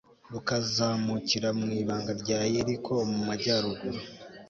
rukazamukira mu ibanga rya yeriko mu majyaruguru